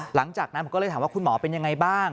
หลังจากนั้นผมก็เลยถามว่าคุณหมอเป็นยังไงบ้าง